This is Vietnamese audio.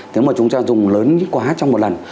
nếu mà chúng ta dùng lớn quá trong một lần